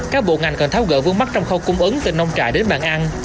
các bộ ngành cần tháo gỡ vương mắc trong khâu cung ứng từ nông trại đến bàn ăn